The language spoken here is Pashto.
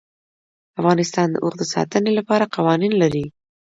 افغانستان د اوښ د ساتنې لپاره قوانین لري.